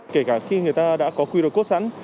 kể cả khi người ta đã có qr code sẵn